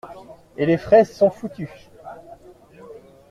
Et les fraises sont foutues.